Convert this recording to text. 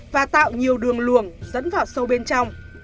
và tạo nhiều đường luồng dẫn vào sâu bên trong